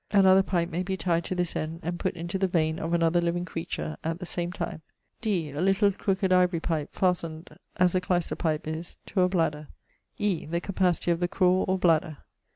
Another pipe may be tied to this end and put into the veine of another living creature at the same time. 'd = a little crooked ivory pipe, fastened (as a clister pipe is) to a bladder. 'e = the capacity of the craw or bladder.'